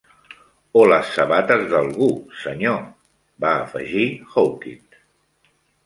"O les sabates d'algú, senyor", va afegir Hawkins.